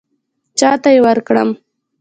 چاته یې ورکړم.